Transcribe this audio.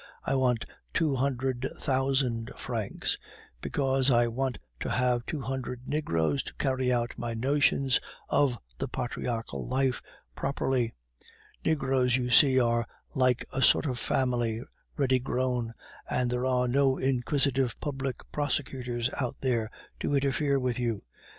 I want two hundred thousand francs, because I want to have two hundred negroes to carry out my notions of the patriarachal life properly. Negroes, you see, are like a sort of family ready grown, and there are no inquisitive public prosecutors out there to interfere with you.